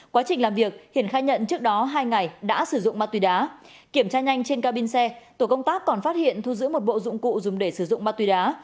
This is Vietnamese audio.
quá trình làm việc hiển khai nhận trước đó hai ngày đã sử dụng ma túy đá kiểm tra nhanh trên cabin xe tổ công tác còn phát hiện thu giữ một bộ dụng cụ dùng để sử dụng ma túy đá